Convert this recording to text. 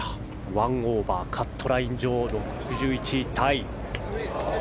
１オーバーカットライン上、６１位タイ。